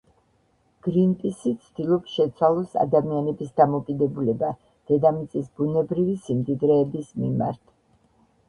გრინპისი ცდილობს შეცვალოს ადამიანების დამოკიდებულება, დედამიწის ბუნებრივი სიმდიდრეების მიმართ.